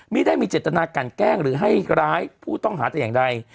ไม่ได้มีเจตนากันแกล้งหรือให้ร้ายผู้ต้องหาแต่อย่างใด